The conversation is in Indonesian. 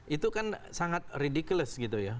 itu kan sangat rediculess gitu ya